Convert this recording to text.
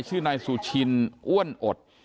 ชื่อนายสุชินอ้วนอด